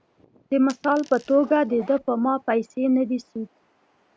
د مثال پۀ توګه د دۀ پۀ ما پېسې نۀ دي سود ،